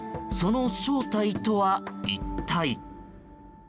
その正体とは一体。